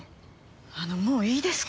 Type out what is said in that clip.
あのもういいですか？